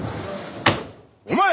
お前！